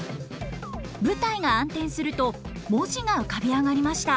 舞台が暗転すると文字が浮かび上がりました。